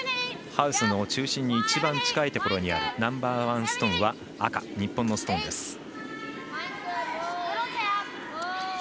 ハウスの中心に一番、近いところにあるナンバーワンストーンは赤日本のストーンです。